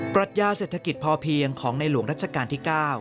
รัชญาเศรษฐกิจพอเพียงของในหลวงรัชกาลที่๙